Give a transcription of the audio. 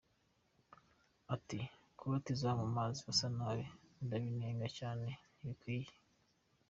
Ati ‘‘Kubatiza mu mazi asa nabi ndabinenga cyane ntibikwiye.